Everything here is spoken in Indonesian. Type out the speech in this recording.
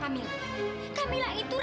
ambil pada kita